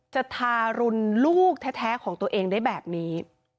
ทารุณลูกแท้ของตัวเองได้แบบนี้